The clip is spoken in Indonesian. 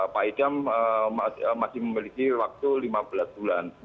pak idam masih memiliki waktu lima belas bulan